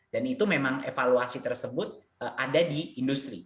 dan itu memang evaluasi tersebut ada di industri